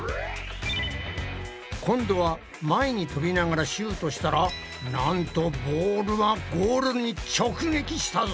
今度は前にとびながらシュートしたらなんとボールはゴールに直撃したぞ！